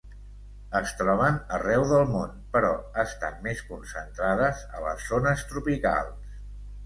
Es troben arreu del món, però estan més concentrades a les zones tropicals.